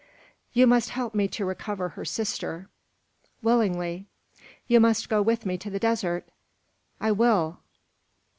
"You must help me to recover her sister." "Willingly." "You must go with me to the desert." "I will."